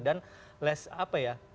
dan less apa ya